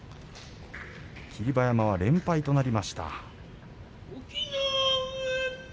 霧馬山は連敗となりました。